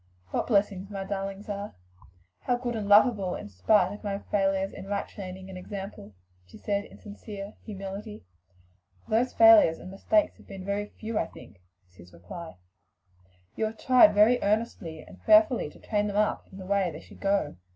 "What blessings my darlings are! how good and lovable in spite of my failures in right training and example," she said in sincere humility. "Those failures and mistakes have been very few, I think," was his reply; "you have tried very earnestly and prayerfully to train them up in the way they should go.